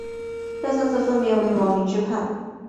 这三次分别为王凌之叛。